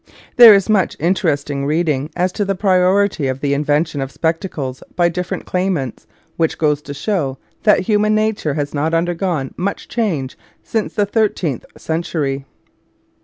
There is much interesting reading as to the priority of the invention of spectacles by dif ferent claimants, which goes to show that hu man nature has not undergone much change since the thirteenth century.